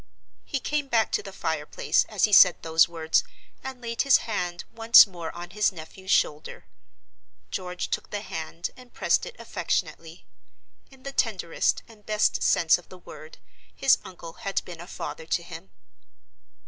He came back to the fire place as he said those words, and laid his hand once more on his nephew's shoulder. George took the hand and pressed it affectionately. In the tenderest and best sense of the word, his uncle had been a father to him.